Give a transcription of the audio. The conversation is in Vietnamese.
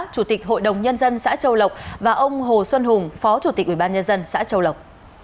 chủ tịch hội đồng nhân dân xã châu lộc và ông hồ xuân hùng phó chủ tịch ubnd xã châu lộc